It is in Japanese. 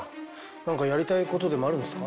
何かやりたいことでもあるんですか？